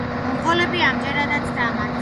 მონღოლები ამჯერადაც დამარცხდნენ.